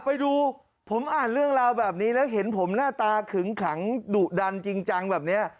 ไปดูผมอ่านเรื่องราวแบบนี้แล้วเห็นผมหน้าตาขึงขังดุดันจริงจังแบบนี้